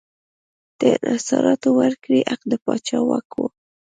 د انحصاراتو ورکړې حق د پاچا واک و.